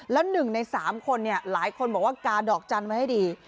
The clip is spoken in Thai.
แล้ว๑ใน๓คนหลายคนบอกว่ากาดอกจันทร์ไว้ให้ดี